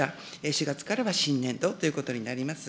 ４月からは新年度ということになります。